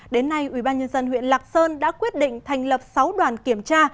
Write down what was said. đến nay ubnd huyện lạc sơn đã quyết định thành lập sáu đoàn kiểm tra